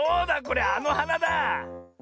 これあのはなだあ。